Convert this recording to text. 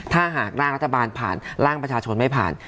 ถ้าหากร่างรัฐบาลผ่านร่างประชาชนไม่ผ่าน